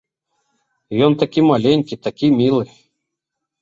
Ён такі маленькі, такі мілы.